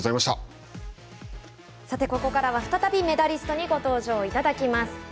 さてここからは再びメダリストにご登場いただきます。